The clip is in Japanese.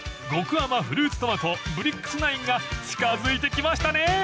［極甘フルーツトマトブリックスナインが近づいてきましたね］